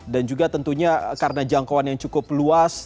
dan juga tentunya karena jangkauan yang cukup luas